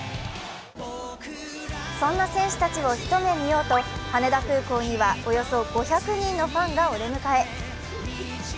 そんな選手たちを一目見ようと、羽田空港にはおよそ５００人のファンがお出迎え。